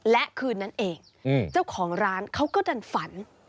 และคืนนั้นเองเจ้าของร้านเขาก็ดันฝัน